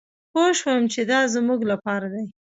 پوه شوم چې دا زمونږ لپاره دي.